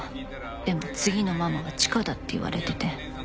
でも次のママはチカだって言われてて。